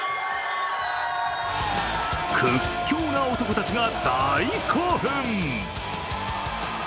屈強な男たちが大興奮！